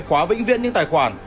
khóa vĩnh viễn những tài khoản